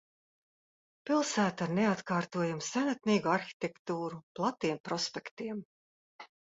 Pilsēta ar neatkārtojamu senatnīgu arhitektūru, platiem prospektiem.